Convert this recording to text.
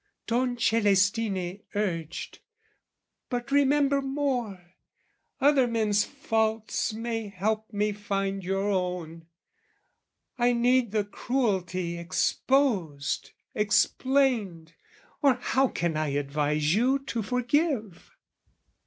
Don Celestine urged "But remember more! "Other men's faults may help me find your own. "I need the cruelty exposed, explained, "Or how can I advise you to forgive?"